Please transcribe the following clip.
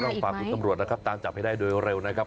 ฝากคุณตำรวจนะครับตามจับให้ได้โดยเร็วนะครับ